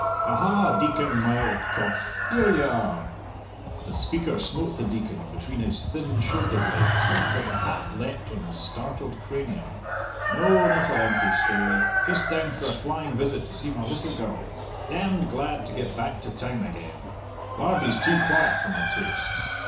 "Aha, Deacon, my old cock, here you are!" The speaker smote the Deacon between his thin shoulder blades till the hat leapt on his startled cranium. "No, not a lengthy stay just down for a flying visit to see my little girl. Dem'd glad to get back to town again Barbie's too quiet for my tastes.